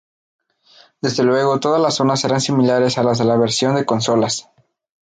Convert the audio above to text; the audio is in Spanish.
Desde luego todas las zonas serán similares a las de la versión de consolas.